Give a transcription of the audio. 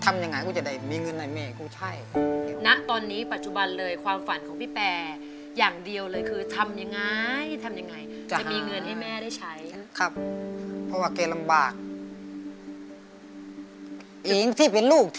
สำหรับให้ดูจะได้มีเงินให้เมะของฉัน